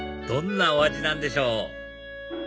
どんなお味なんでしょう？